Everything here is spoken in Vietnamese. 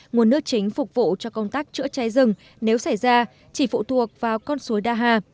nguồn nước chính phục vụ cho công tác chữa cháy rừng nếu xảy ra chỉ phụ thuộc vào con suối đa hà